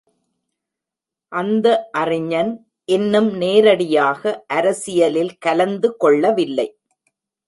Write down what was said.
அந்த அறிஞன் இன்னும் நேரடியாக அரசியலில் கலந்து கொள்ளவில்லை.